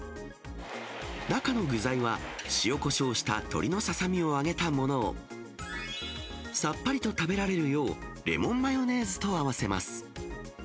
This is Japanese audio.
中の具材は、塩こしょうした鶏のささみを揚げたものを、さっぱりと食べられるよう、レモンマヨネーズと合わせます。